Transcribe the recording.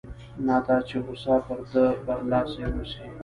نه دا چې غوسه پر ده برلاسې اوسي.